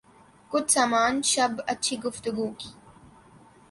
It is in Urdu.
کچھ سامان شب اچھی گفتگو کی